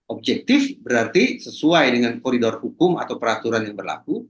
objektif berarti sesuai dengan koridor hukum atau peraturan yang berlaku